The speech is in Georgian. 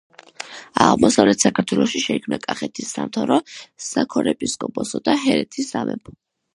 აღმოსავლეთ საქართველოში შეიქმნა კახეთის სამთავრო საქორეპისკოპოსო და ჰერეთის სამეფო